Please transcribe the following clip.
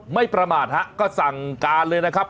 ไม่ประมาทฮะก็สั่งการเลยนะครับ